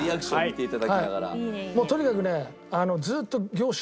もうとにかくね。